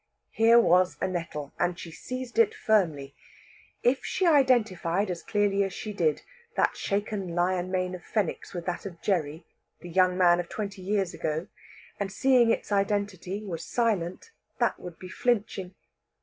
Here was a nettle, and she seized it firmly. If she identified as clearly as she did that shaken lion mane of Fenwick's with that of Gerry, the young man of twenty years ago, and seeing its identity was silent, that would be flinching.